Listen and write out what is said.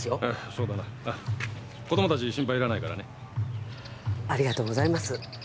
そうだなあっ子どもたち心配いらないからねありがとうございます